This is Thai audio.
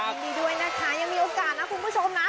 ยินดีด้วยนะคะยังมีโอกาสนะคุณผู้ชมนะ